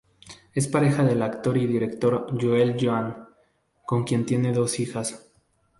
Es pareja del actor y director Joel Joan, con quien tiene dos hijas.